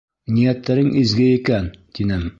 — Ниәттәрең изге икән, — тинем.